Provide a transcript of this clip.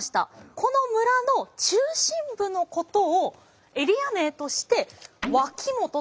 この村の中心部のことをエリア名として脇本と呼んでいたんです。